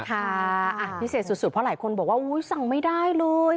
พิเศษสุดเพราะหลายคนบอกว่าอุ๊ยสั่งไม่ได้เลย